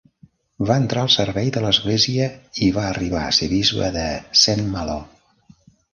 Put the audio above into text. Va entrar al servei de l'Església i va arribar a ser Bisbe de Saint-Malo.